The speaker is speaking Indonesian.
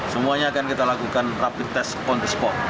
semuanya akan kita lakukan rapid test on the spot